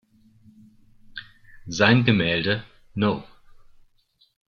Sein Gemälde "No.